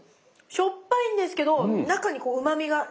しょっぱいんですけど中にうまみがしっかりね。